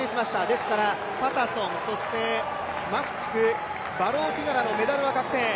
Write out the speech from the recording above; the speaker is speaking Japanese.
ですから、パタソン、マフチクバローティガラのメダルは確定。